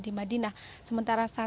di madinah sementara satu